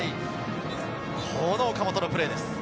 この岡本のプレーです。